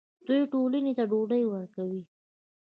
دوی ټولنې ته ډوډۍ ورکوي.